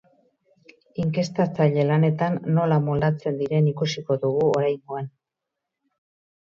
Inkestatzaile lanetan nola moldatzen diren ikusiko dugu oraingoan.